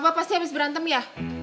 akang abah pasti habis berantem ya